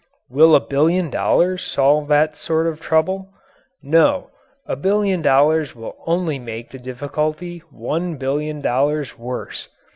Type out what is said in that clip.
Will a billion dollars solve that sort of trouble? No, a billion dollars will only make the difficulty one billion dollars worse.